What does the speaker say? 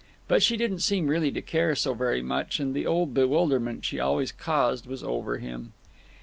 But she didn't seem really to care so very much, and the old bewilderment she always caused was over him.